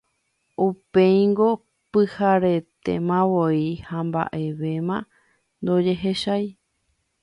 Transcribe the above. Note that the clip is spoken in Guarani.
Upéingo pyharetémavoi ha mba'evéma ndojehechavéi.